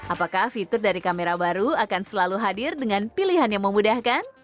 apakah fitur dari kamera baru akan selalu hadir dengan pilihan yang memudahkan